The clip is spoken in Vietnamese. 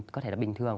có thể là bình thường